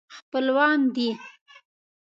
خپلوان دي.